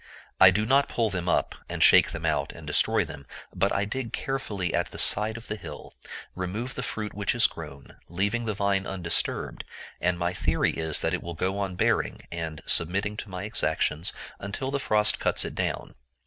I do not pull them up, and shake them out, and destroy them; but I dig carefully at the side of the hill, remove the fruit which is grown, leaving the vine undisturbed: and my theory is, that it will go on bearing, and submitting to my exactions, until the frost cuts it down.